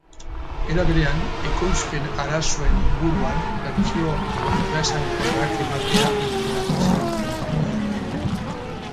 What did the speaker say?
Era berean, ekoizpen arazoen inguruan bertsio kontraesankorrak ematea leporatu zion konpainiari.